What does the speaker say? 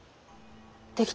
できた！